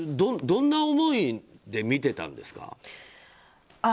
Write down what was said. どんな思いで見てたんですか？